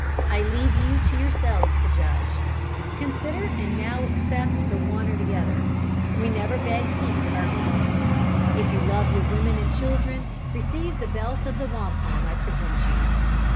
I leave you to yourselves to judge. Consider and now accept the one or the other. We never beg peace of our enemies. If you love your women and children, receive the belt of wampum I present you.